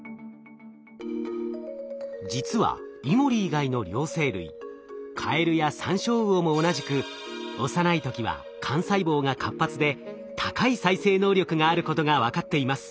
実はイモリ以外の両生類カエルやサンショウウオも同じく幼い時は幹細胞が活発で高い再生能力があることが分かっています。